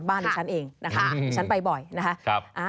บ้านอยู่ฉันเองนะคะฉันไปบ่อยนะคะ